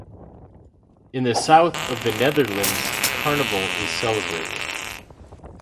In the south of the Netherlands carnival is celebrated.